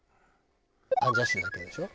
アンジャッシュだけでしょ？